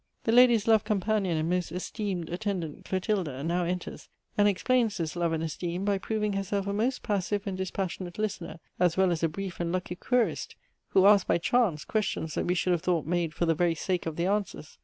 The lady's love companion and most esteemed attendant, Clotilda, now enters and explains this love and esteem by proving herself a most passive and dispassionate listener, as well as a brief and lucky querist, who asks by chance, questions that we should have thought made for the very sake of the answers.